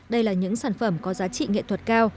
đây là những sản phẩm có giá trị nghệ thuật cao